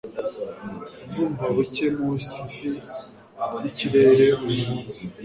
Ndumva buke munsi yikirere uyu munsi.